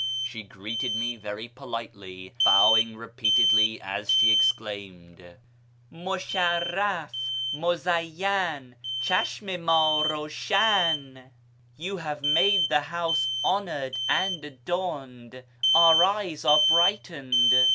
She greeted me very politely, bowing repeatedly as she exclaimed, " Musharraf ! Muzayyan ! Chashm i md rawshan !"([" You have made the house] honoured [and] adorned ! Our eyes are brightened